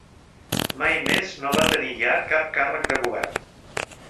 Mai més no va tenir ja cap càrrec de govern.